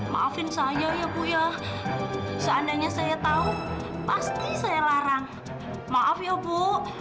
maafin saya ya bu ya seandainya saya tahu pasti saya larang maaf ya bu